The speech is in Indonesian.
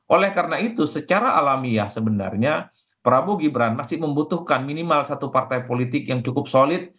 oleh karena itu secara alamiah sebenarnya prabowo gibran masih membutuhkan minimal satu partai politik yang cukup solid